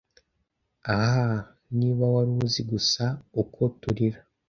ah niba wari uzi gusa uko turira